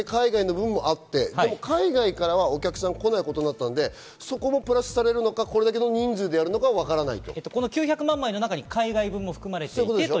チケット総数は９００万枚あって海外の分もあって海外からはお客さんが来ないことになったので、そこもプラスされるのか、どれだけの人数でやるのか分からないと。